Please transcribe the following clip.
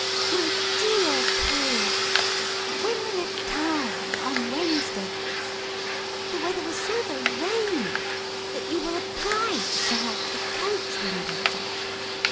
My dear Paid, When we left Town on Wednesday last the weather was so very rainy that we were obliged to have the coach windows up.